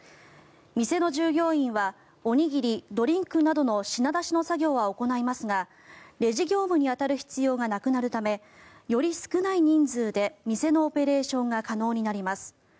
店の従業員はおにぎり、ドリンクなどの品出しの作業は行いますがレジ業務に当たる必要がなくなるためより少ない人数で店のオペレーションが可能になります。